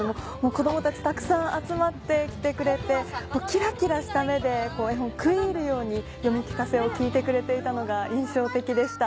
子どもたちたくさん集まってきてくれてキラキラした目で絵本食い入るように読み聞かせを聞いてくれていたのが印象的でした。